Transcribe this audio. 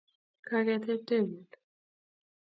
Kaketeb tebut